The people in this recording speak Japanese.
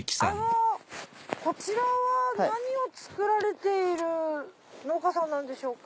こちらは何を作られている農家さんなんでしょうか？